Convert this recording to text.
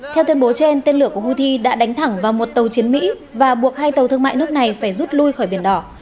theo tuyên bố trên tên lửa của houthi đã đánh thẳng vào một tàu chiến mỹ và buộc hai tàu thương mại nước này phải rút lui khỏi biển đỏ